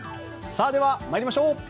では参りましょう。